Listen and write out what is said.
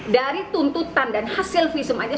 dari tuntutan dan hasil visum aja